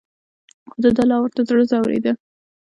خو دده لا ورته زړه ځورېده.